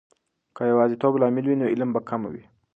که د یواځیتوب لامل وي، نو علم به کمه وي.